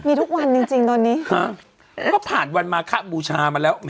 มีทุกวันจริงจริงตอนนี้ฮะก็ผ่านวันมาคะบูชามาแล้ว